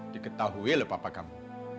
diketahui lho papa kamu